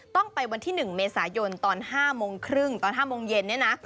ต้องไปวันที่๑เมษายนตอน๕โมงครึ่งตอน๕โมงเย็นเนี่ยนะ